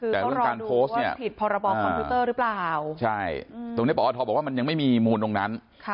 ก็รอดูว่าผิดพอระบอคคอมพิวเตอร์หรือเปล่าตรงนี้ปอทบอกว่ามันยังไม่มีมูลตรงนั้น